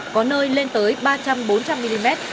có nơi lên tới ba trăm linh bốn trăm linh mm